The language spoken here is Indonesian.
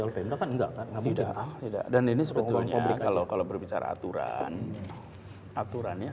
lp nya enggak enggak enggak dan ini sebetulnya kalau kalau berbicara aturan aturannya